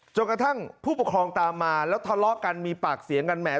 กระทั่งผู้ปกครองตามมาแล้วทะเลาะกันมีปากเสียงกันแหม